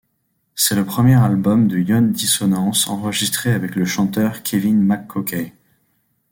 C'est le premier album de Ion Dissonance enregistré avec le chanteur Kevin McCaughey.